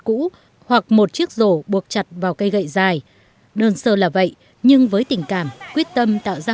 cũ hoặc một chiếc rổ buộc chặt vào cây gậy dài đơn sơ là vậy nhưng với tình cảm quyết tâm tạo ra